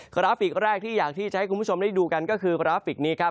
กราฟิกแรกที่อยากที่จะให้คุณผู้ชมได้ดูกันก็คือกราฟิกนี้ครับ